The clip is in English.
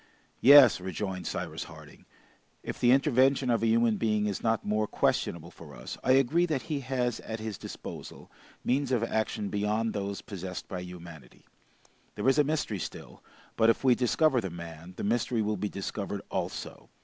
"Yes," rejoined Cyrus Harding, "if the intervention of a human being is not more questionable for us, I agree that he has at his disposal means of action beyond those possessed by humanity. There is a mystery still, but if we discover the man, the mystery will be discovered also.